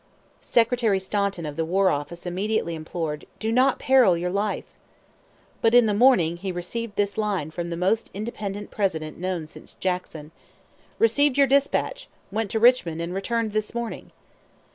Secretary Stanton, of the war office, immediately implored: "Do not peril your life!" But in the morning he received this line from the most independent President known since Jackson: "Received your despatch; went to Richmond, and returned this morning!"